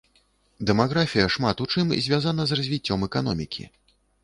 Дэмаграфія шмат у чым звязана з развіццём эканомікі.